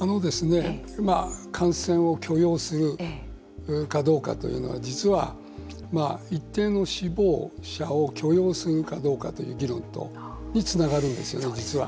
感染を許容するかどうかというのは実は、一定の死亡者を許容するかどうかという議論とつながるんですよね。